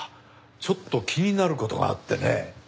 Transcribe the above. ちょっと気になる事があってね。